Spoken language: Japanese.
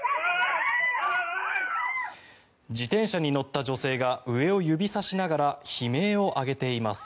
自転車に乗った女性が上を指さしながら悲鳴を上げています。